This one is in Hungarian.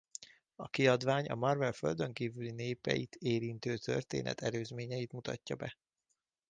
A kiadvány a Marvel földönkívüli népeit érintő történet előzményeit mutatja be.